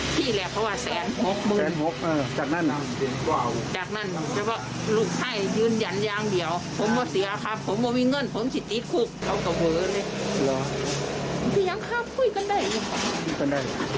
ก็เลยให้กรัฟมาว่าให้ไปหาเงิน